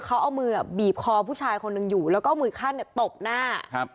เขาเอามือบีบคอผู้ชายคนหนึ่งอยู่แล้วก็เอามือขั้นเนี่ยตบหน้าครับ